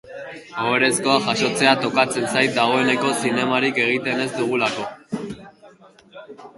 Ohorezkoa jasotzea tokatzen zait dagoeneko zinemarik egiten ez dugulako.